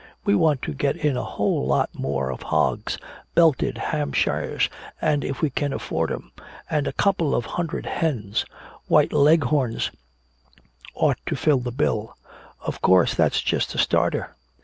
We want to get in a whole lot more of hogs Belted Hampshires, if we can afford 'em and a couple of hundred hens. White Leghorns ought to fill the bill. Of course that's just a starter.